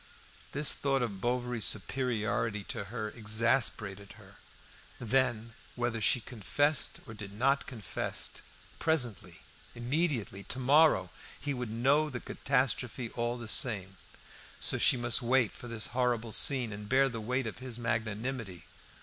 This thought of Bovary's superiority to her exasperated her. Then, whether she confessed or did not confess, presently, immediately, to morrow, he would know the catastrophe all the same; so she must wait for this horrible scene, and bear the weight of his magnanimity.